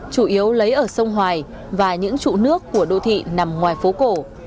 chủ yếu lấy ở sông hoài và những trụ nước của đô thị nằm ngoài phố cổ